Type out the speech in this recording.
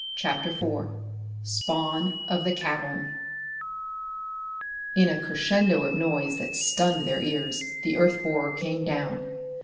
CHAPTER IV Spawn of the Cavern In a crescendo of noise that stunned their ears, the earth borer came down.